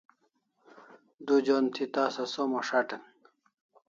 Du jon thi tasa som as'atan